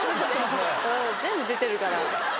全部出てるから。